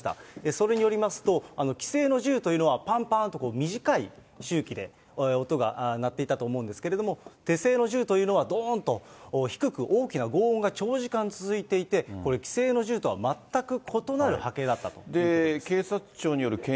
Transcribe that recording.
それによりますと、既成の銃というのは、ぱんぱんと、短い周期で音が鳴っていたと思うんですけれども、手製の銃というのは、どーんと低く大きなごう音が長時間続いていて、これ、既製の銃とは全く異なる波形だったということです。